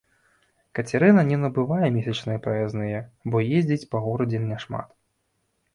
Кацярына не набывае месячныя праязныя, бо ездзіць па горадзе няшмат.